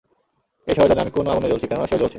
এই শহর জানে আমি কোন আগুনে জ্বলছি, কেননা সেও জ্বলছে।